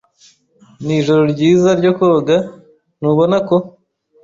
Ni ijoro ryiza ryo koga, ntubona ko?